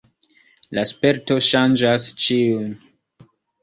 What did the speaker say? La sperto ŝanĝas ĉiun.